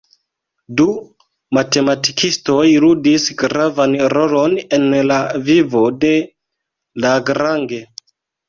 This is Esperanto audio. Du matematikistoj ludis gravan rolon en la vivo de Lagrange.